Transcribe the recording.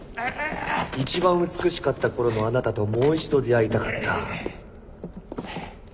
一番美しかった頃のあなたともう一度出会いたかった。